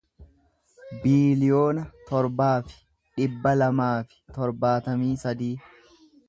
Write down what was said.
biiliyoona torbaa fi dhibba lamaa fi torbaatamii sadii